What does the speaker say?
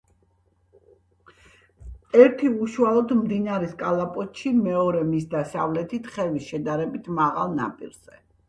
ერთი უშუალოდ მდინარის კალაპოტში, მეორე მის დასავლეთით, ხევის შედარებით მაღალ ნაპირზე.